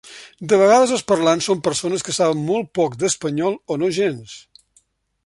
De vegades, els parlants són persones que saben molt poc d'espanyol o no gens.